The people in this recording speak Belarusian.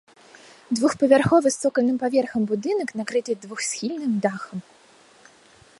Двухпавярховы з цокальным паверхам будынак накрыты двухсхільным дахам.